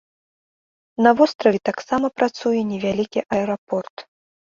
На востраве таксама працуе невялікі аэрапорт.